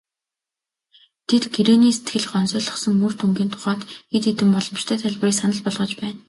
Тэд гэрээний сэтгэл гонсойлгосон үр дүнгийн тухайд хэд хэдэн боломжтой тайлбарыг санал болгож байна.